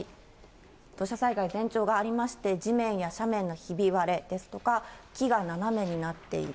土砂災害、前兆がありまして、地面や斜面のひび割れですとか、木が斜めになっている。